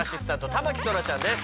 田牧そらちゃんです。